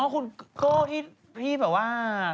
คุณโก้พี่แบบว่า